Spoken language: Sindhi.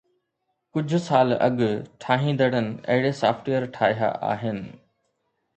ڪجهه سال اڳ، ٺاهيندڙن اهڙي سافٽ ويئر ٺاهيا آهن